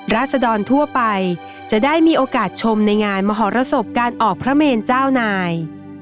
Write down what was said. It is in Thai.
ราศดรทั่วไปจะได้มีโอกาสชมในงานมหรสบการออกพระเมนเจ้านาย